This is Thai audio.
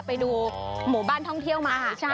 ไปดูหมู่บ้านท่องเที่ยวมา